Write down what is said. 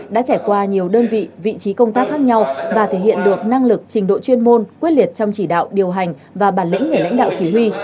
đã trải qua nhiều đơn vị vị trí công tác khác nhau và thể hiện được năng lực trình độ chuyên môn quyết liệt trong chỉ đạo điều hành và bản lĩnh người lãnh đạo chỉ huy